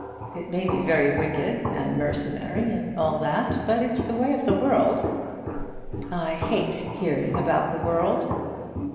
It may be very wicked, and mercenary, and all that; but it's the way of the world." "I hate hearing about the world."